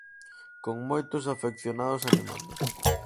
Con moitos afeccionados animando.